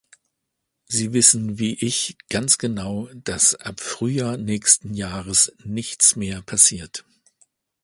Sie wissen wie ich ganz genau, dass ab Frühjahr nächsten Jahres nichts mehr passiert.